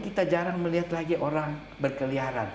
kita jarang melihat lagi orang berkeliaran